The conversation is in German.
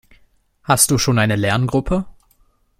Hast du schon eine Lerngruppe?